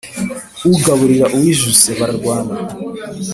Ugaburira uwijuse bararwana.